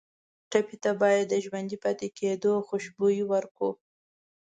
ټپي ته باید د ژوندي پاتې کېدو خوشبويي ورکړو.